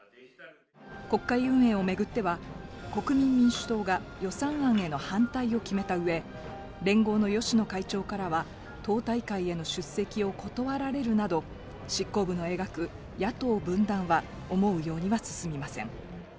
国会運営を巡っては国民民主党が予算案への反対を決めたうえ連合の芳野会長からは、党大会への出席を断られるなど執行部の描く野党分断は思うようには進みません。